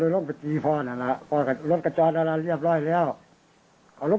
ลุงรถเรียบร้อยแล้วก่อน